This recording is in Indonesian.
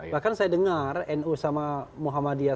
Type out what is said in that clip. bahkan saya dengar nu sama muhammadiyah